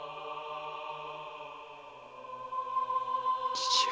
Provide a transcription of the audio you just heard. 父上。